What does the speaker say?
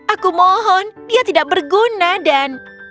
aku mohon dia tidak berguna dan